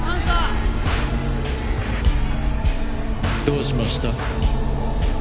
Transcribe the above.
どうしました？